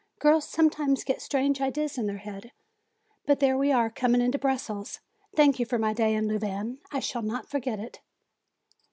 Girls sometimes get strange ideas in their minds. But there we are coming into Brussels. Thank you for my day in Louvain, I shall not forget it!"